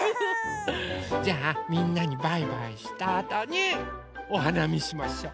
じゃあみんなにバイバイしたあとにおはなみしましょう。